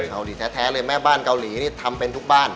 เกาหลีแท้เลยแม่บ้านเกาหลีนี่ทำเป็นทุกบ้าน